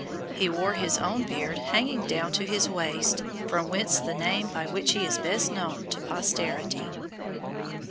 He wore his own beard hanging down to his waist, from whence the name by which he is best known to posterity.